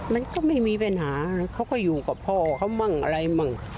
มันก็ไม่มีปัญหาอะไรเขาก็อยู่กับพ่อเขาบ้างอะไรบ้าง